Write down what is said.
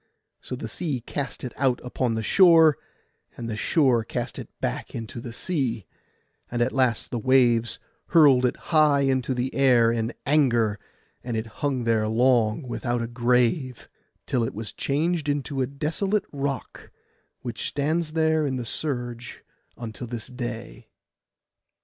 So the sea cast it out upon the shore, and the shore cast it back into the sea, and at last the waves hurled it high into the air in anger; and it hung there long without a grave, till it was changed into a desolate rock, which stands there in the surge until this day.